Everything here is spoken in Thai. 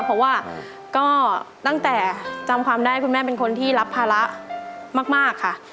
เพราะว่าก็ตั้งแต่จำความได้คุณแม่เป็นคนที่รับภาระมากค่ะ